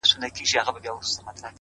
چي د صبر شراب وڅيښې ويده سه!!